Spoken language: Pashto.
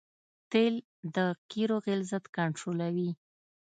تیل د قیرو غلظت کنټرولوي